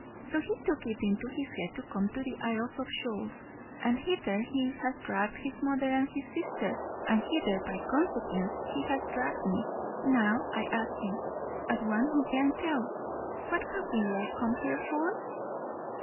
So he took it into his head to come to the Isles of Shoals, and hither he has dragged his mother and his sister, and hither by consequence he has dragged me. Now I ask you, as one who can tell what have we all come here for?"